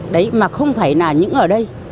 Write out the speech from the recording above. đấy mà không phải là những người